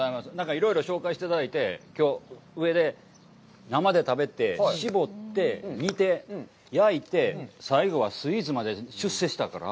いろいろ紹介していただいて、きょう、上で生で食べて、搾って、煮て、焼いて、最後はスイーツまで出世したから。